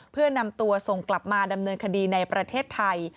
เพื่อนำตัวส่งกลับมาดำเนินคดีในประเทศไทย